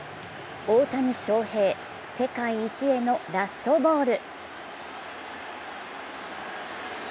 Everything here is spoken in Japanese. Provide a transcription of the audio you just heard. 大谷翔平、世界一へのラストボール。